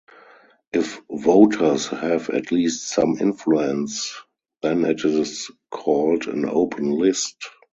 If voters have at least some influence then it is called an open list.